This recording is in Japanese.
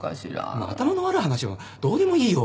もう頭の悪い話はどうでもいいよ。